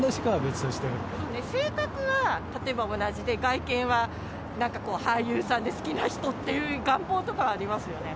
性格は例えば同じで、外見はなんかこう、俳優さんで好きな人っていう願望とかはありますよね。